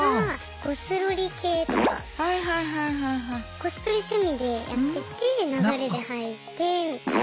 コスプレ趣味でやってて流れで入ってみたいな。